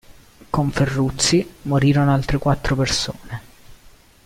Con Ferruzzi morirono altre quattro persone.